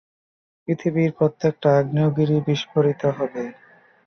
পৃথিবীর প্রত্যেকটা আগ্নেয়গিরী বিস্ফোরিত হবে!